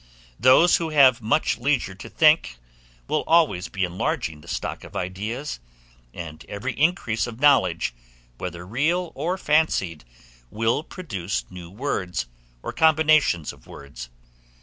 Those who have much leisure to think, will always be enlarging the stock of ideas; and every increase of knowledge, whether real or fancied, will produce new words, or combination of words.